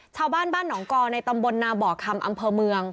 ชาวบ้านบ้านหนองกอในตำบลนาบ่อคำอำเภอเมือง